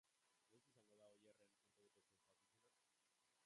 Noiz izango da Oierren urtebetetze ospakizuna?